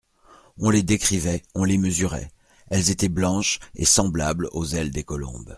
On les décrivait, on les mesurait ; elles étaient blanches et semblables aux ailes des colombes.